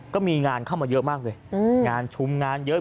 ก็มีงานเข้ามาเยอะมากเลยงานชุมงานเยอะ